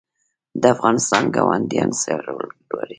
د افغانستان ګاونډیان څه رول لري؟